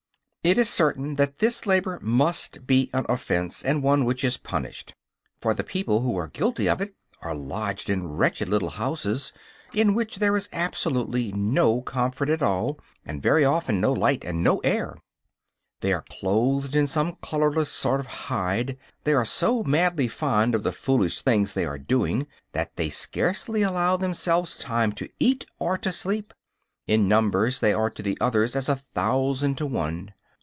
It is certain that this labor must be an offense, and one which is punished. For the persons who are guilty of it are lodged in wretched little houses, in which there is absolutely no comfort at all, and very often no light and no air. They are clothed in some colorless sort of hide. They are so madly fond of the foolish things they are doing that they scarcely allow themselves time to eat or to sleep. In numbers they are to the others as a thousand to one.